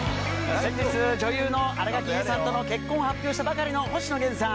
先日、女優の新垣結衣さんとの結婚を発表したばかりの星野源さん。